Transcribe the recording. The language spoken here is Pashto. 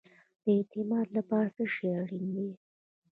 د اعتماد لپاره څه شی اړین دی؟